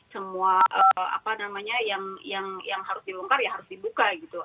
semua apa namanya yang harus dilonggar ya harus dibuka gitu